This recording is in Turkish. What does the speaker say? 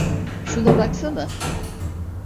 Şuna baksana.